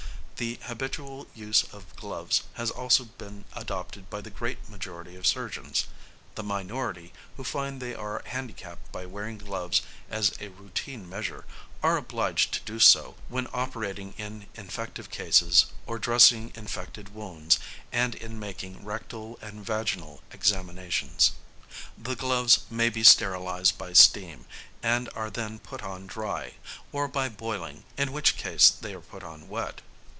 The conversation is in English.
The habitual use of gloves has also been adopted by the great majority of surgeons; the minority, who find they are handicapped by wearing gloves as a routine measure, are obliged to do so when operating in infective cases or dressing infected wounds, and in making rectal and vaginal examinations. The gloves may be sterilised by steam, and are then put on dry, or by boiling, in which case they are put on wet.